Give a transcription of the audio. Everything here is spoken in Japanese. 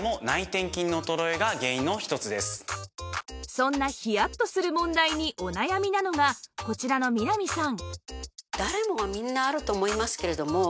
そんなヒヤッとする問題にお悩みなのがこちらの南さん